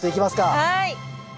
はい！